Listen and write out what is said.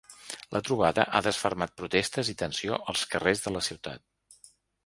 La trobada ha desfermat protestes i tensió als carrers de la ciutat.